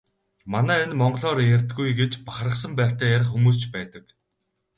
Манай энэ монголоор ярьдаггүй гэж бахархсан байртай ярих хүмүүс ч байдаг.